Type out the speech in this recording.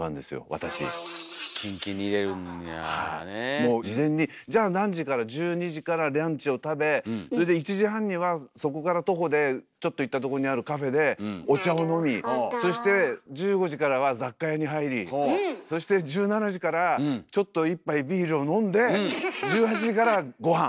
もう事前にじゃあ何時から１２時からランチを食べそれで１時半にはそこから徒歩でちょっと行ったとこにあるカフェでお茶を飲みそして１５時からは雑貨屋に入りそして１７時からちょっと一杯ビールを飲んで１８時からごはん！